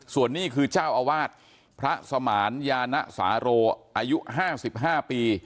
ส่วนนี้คือเจ้าอาวาสพระสมานยานะสาโรอายุ๕๕ปี